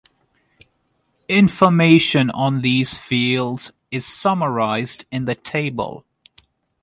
Information on these fields is summarized in the table.